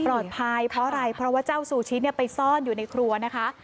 ปลอดภัยเพราะอะไรเพราะว่าเจ้าซูชิเนี่ยไปซ่อนอยู่ในครัวนะคะ